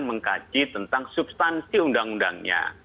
mengkaji tentang substansi undang undangnya